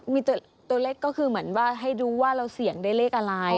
มีตัวเลขก็คือเหมือนว่าให้ดูว่าเราเสี่ยงได้เลขอะไร